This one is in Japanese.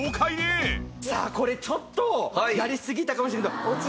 さあこれちょっとやりすぎたかもしれないけど。